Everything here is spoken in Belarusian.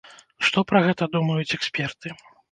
Што пра гэта думаюць эксперты?